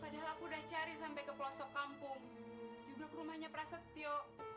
juga ke rumahnya prasetyo